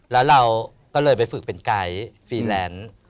แล้วเราก็เลยไปฝึกเป็นไกด์ฟรีแลนซ์